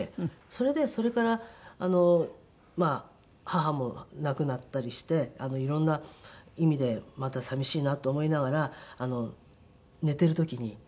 それでそれからまあ母も亡くなったりしていろんな意味でまた寂しいなと思いながら寝てる時に。